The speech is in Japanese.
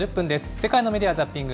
世界のメディア・ザッピング。